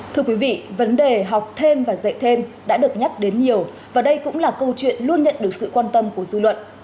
thưa quý vị vấn đề học thêm và dạy thêm đã được nhắc đến nhiều và đây cũng là câu chuyện luôn nhận được sự quan tâm của dư luận